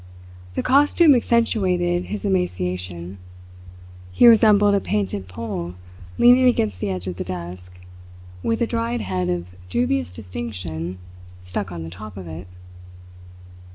The costume accentuated his emaciation. He resembled a painted pole leaning against the edge of the desk, with a dried head of dubious distinction stuck on the top of it.